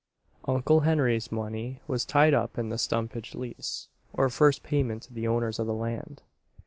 Uncle Henry's money was tied up in the stumpage lease, or first payment to the owners of the land.